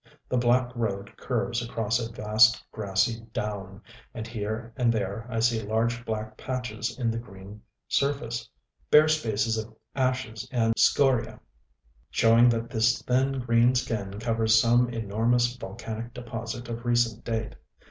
The black road curves across a vast grassy down; and here and there I see large black patches in the green surface, bare spaces of ashes and scori├"; showing that this thin green skin covers some enormous volcanic deposit of recent date....